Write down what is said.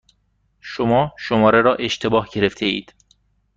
شما شماره را اشتباه گرفتهاید.